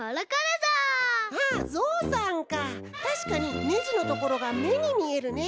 たしかにねじのところがめにみえるね。